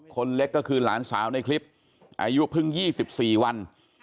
คนเล็กก็คือหลานสาวในคลิปอายุเพิ่ง๒๔วัน